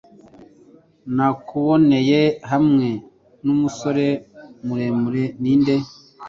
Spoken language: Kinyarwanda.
Nakubonyeyo hamwe numusore muremure. Ninde?